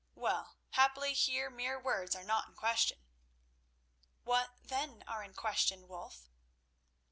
Well, happily here mere words are not in question." "What, then, are in question, Wulf?"